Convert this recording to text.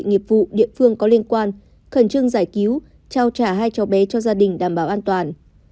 nghiệp vụ địa phương có liên quan khẩn trương giải cứu trao trả hai cháu bé cho gia đình đảm bảo an toàn